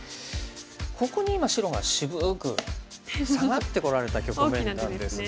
ここに今白が渋くサガってこられた局面なんですが。